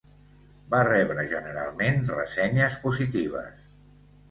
Va rebre generalment ressenyes positives.